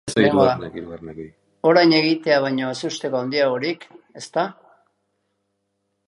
Orain egitea baino ezusteko handiagorik, ezta?